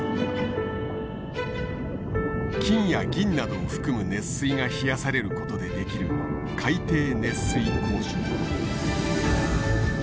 金や銀などを含む熱水が冷やされることで出来る海底熱水鉱床。